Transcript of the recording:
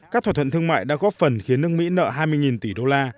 các thỏa thuận thương mại đã góp phần khiến nước mỹ nợ hai mươi tỷ đô la